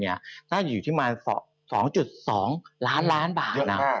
น่าจะอยู่ที่ประมาณ๒๒ล้านล้านบาท